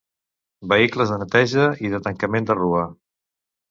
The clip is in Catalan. Vehicles de neteja i de tancament de rua.